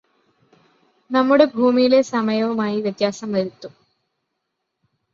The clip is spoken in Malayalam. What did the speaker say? നമ്മുടെ ഭൂമിയിലെ സമയവുമായി വ്യത്യാസം വരുത്തും